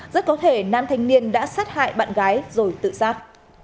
rất có thể nam thanh niên đã sát hại bạn gái rồi tự giác